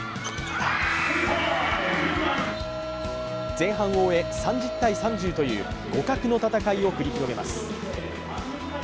前半を終え、３０対３０という互角の戦いを繰り広げます。